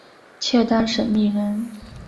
契丹审密人。